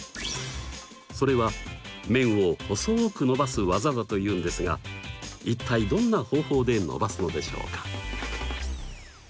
それは麺を細く伸ばす技だというんですが一体どんな方法で伸ばすのでしょうか？